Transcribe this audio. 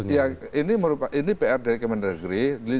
ya ini pr dari kementerian negeri